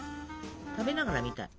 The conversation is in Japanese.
食べながら見たい。